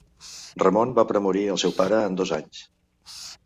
Ramon va premorir al seu pare en dos anys.